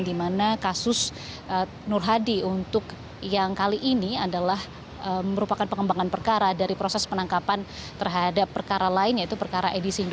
di mana kasus nur hadi untuk yang kali ini adalah merupakan pengembangan perkara dari proses penangkapan terhadap perkara lain yaitu perkara edi sindo